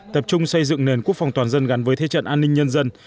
tập trung xây dựng nền quốc phòng toàn dân gắn với thế trận an ninh nhân dân